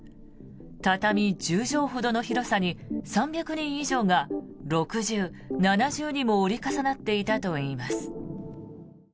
畳１０畳ほどの広さに３００人以上が六重七重にも折り重なっていたといいます。